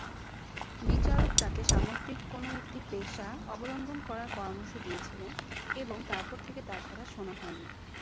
বিচারক তাকে সামুদ্রিক কোন একটি পেশা অবলম্বন করার পরামর্শ দিয়েছিলেন, এবং তারপর থেকে তার কথা শোনা যায়নি।